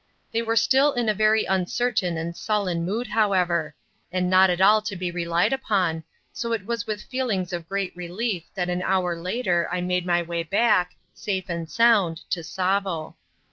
They were still in a very uncertain and sullen mood, however, and not at all to be relied upon, so it was with feelings of great relief that an hour later I made my way back, safe and sound, to Tsavo.